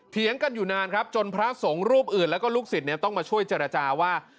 เถียงกันอยู่นานครับจนพระสงฆ์รูปอื่นแล้วก็ลูกศิษย์ต้องมาช่วยเจรจาว่า